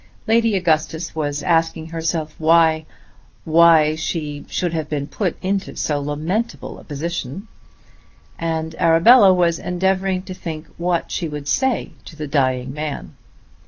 Lady Augustus was asking herself why, why she should have been put into so lamentable a position, and Arabella was endeavouring to think what she would say to the dying man.